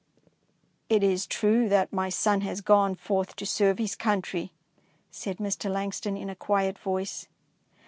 ''It is true that my son has gone forth to serve his country, said Mr. Langston, in a quiet voice.